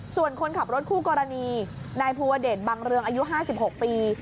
ส่วนคนขับรถคู่กรณีนายภูวเดชบังเรืองอายุ๕๖ปี